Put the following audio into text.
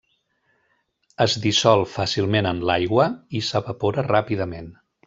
Es dissol fàcilment en l'aigua i s'evapora ràpidament.